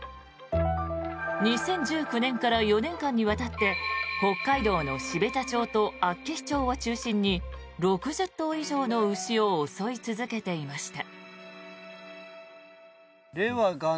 ２０１９年から４年間にわたって北海道の標茶町と厚岸町を中心に６０頭以上の牛を襲い続けていました。